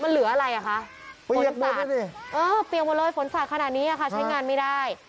มันเหลืออะไรอะคะฝนศาสตร์เออเตียงหมดเลยฝนศาสตร์ขนาดนี้อะคะใช้งานไม่ได้